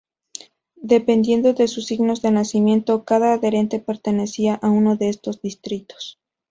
Dependiendo de sus signos de nacimiento, cada adherente pertenecía a uno de estos distritos.